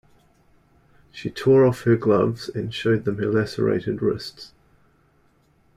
She tore off her gloves and showed them her lacerated wrists.